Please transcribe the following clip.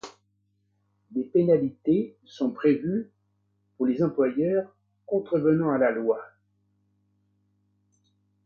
Des pénalités sont prévues pour les employeurs contrevenant à la loi.